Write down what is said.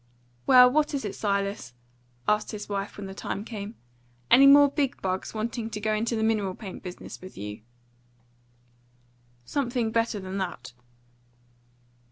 "Well, what is it, Silas?" asked his wife when the time came. "Any more big bugs wanting to go into the mineral paint business with you?" "Something better than that."